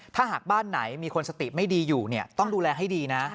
ถ้าหากบ้านไหนมีคนสติไม่ดีอยู่ต้องดูแลให้ดีนะ